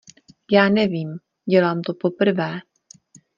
Já nevím, dělám to poprvé.